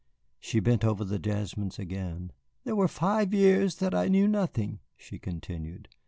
She bent over the jasmines again. "There were five years that I knew nothing," she continued.